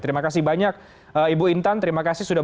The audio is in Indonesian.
terima kasih banyak ibu intan terima kasih sudah